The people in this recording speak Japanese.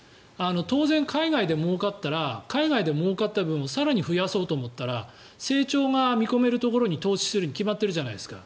当然、海外でもうかったら海外でもうかった分を更に増やそうと思ったら成長が見込めるところに投資するに決まってるじゃないですか。